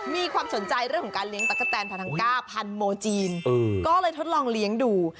มีความสนใจเรื่องของการเลี้ยตะกะแตนพาทังก้าพันโมจีนก็เลยทดลองเลี้ยงดู